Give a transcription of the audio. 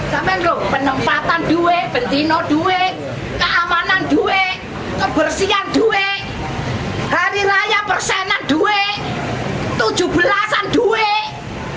keamanan duit kebersihan duit hari raya persenan duit tujuh belasan duit